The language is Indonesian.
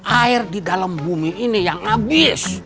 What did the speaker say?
air di dalam bumi ini yang habis